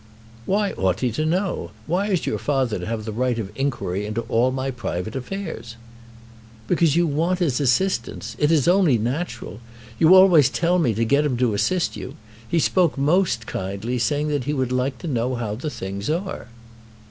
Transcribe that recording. "Why ought he to know? Why is your father to have the right of inquiry into all my private affairs?" "Because you want his assistance. It is only natural. You always tell me to get him to assist you. He spoke most kindly, saying that he would like to know how the things are."